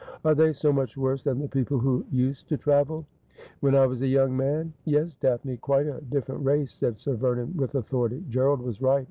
'Are they so much worse than the people who used to travel '' When I was a young man ? Yes, Daphne, quite a differ ent race,' said Sir Vernon with authority. ' Gerald was right.